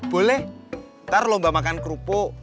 boleh ntar lomba makan kerupuk